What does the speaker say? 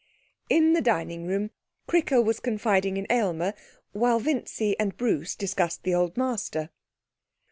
In the dining room Cricker was confiding in Aylmer, while Vincy and Bruce discussed the Old Master.